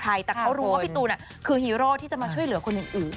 บอกว่าพี่ตูนเป็นใครแต่เขารู้ว่าพี่ตูนคือฮีโร่ที่จะมาช่วยเหลือคนอื่น